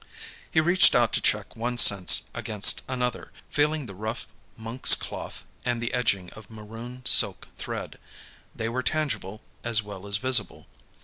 He reached out to check one sense against another, feeling the rough monk's cloth and the edging of maroon silk thread. They were tangible as well as visible.